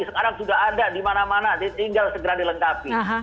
sekarang sudah ada di mana mana tinggal segera dilengkapi